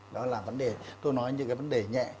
đó là vấn đề tôi nói những cái vấn đề nhẹ